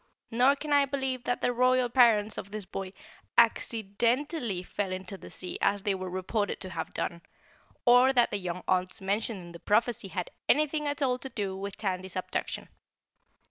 Nor can I believe that the royal parents of this boy accidentally fell into the sea as they were reported to have done, or that the young aunts mentioned in the prophecy had anything at all to do with Tandy's abduction.